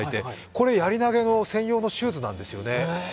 これ、やり投げの専用のシューズなんですよね。